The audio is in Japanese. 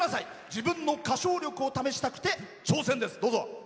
自分の歌唱力を試したくて挑戦です。